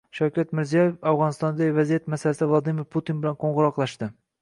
Shavkat Mirziyoyev Afg‘onistondagi vaziyat masalasida Vladimir Putin bilan qo‘ng‘iroqlashdi